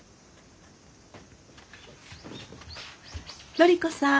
紀子さん。